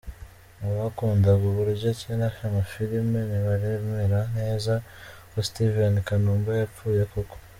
Abakundaga uburyo akina amafilimi, ntibaremera neza ko Steven Kanumba yapfuye koko .